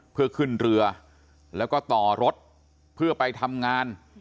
เพื่อขึ้นเรือแล้วก็ต่อรถเพื่อไปทำงาน